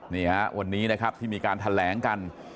นี่ฮะวันนี้นะครับที่มีการแถลงกัน